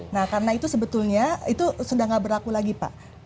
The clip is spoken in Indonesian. nah karena itu sebetulnya itu sudah tidak berlaku lagi pak